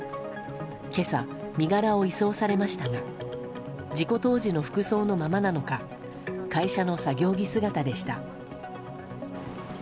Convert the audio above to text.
今朝、身柄を移送されましたが事故当時の服装のままなのか会社の作業着姿でした。